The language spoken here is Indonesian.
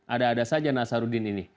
ada ada saja nasaruddin ini